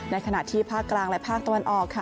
ในขณะที่ภาคกลางและภาคตะวันออกค่ะ